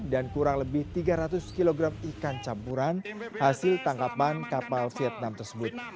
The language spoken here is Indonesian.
dan kurang lebih tiga ratus kg ikan campuran hasil tangkapan kapal vietnam tersebut